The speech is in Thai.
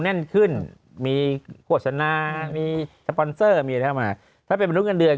แน่นขึ้นมีโฆษณามีสปอนเซอร์มีอะไรเข้ามาถ้าเป็นมนุษย์เงินเดือน